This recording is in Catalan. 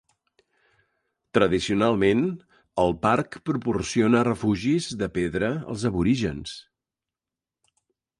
Tradicionalment, el parc proporciona refugis de pedra als aborígens.